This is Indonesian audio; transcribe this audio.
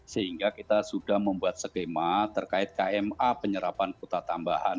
sehingga kita sudah membuat skema terkait kma penyerapan kuota tambahan